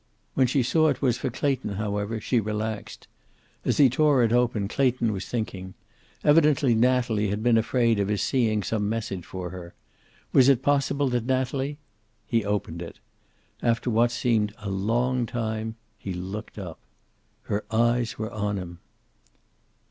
When she saw it was for Clayton, however, she relaxed. As he tore it open, Clayton was thinking. Evidently Natalie had been afraid of his seeing some message for her. Was it possible that Natalie He opened it. After what seemed a long time he looked up. Her eyes were on him.